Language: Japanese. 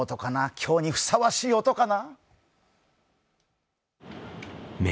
今日にふさわしい音かな